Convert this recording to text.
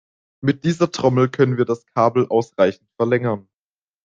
Mit dieser Trommel können wir das Kabel ausreichend verlängern.